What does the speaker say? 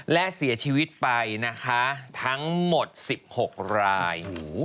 และเสียชีวิตไปนะคะทั้งหมด๑๖ราย